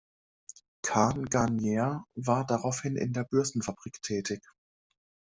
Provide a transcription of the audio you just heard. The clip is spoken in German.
Cahn-Garnier war daraufhin in einer Bürstenfabrik tätig.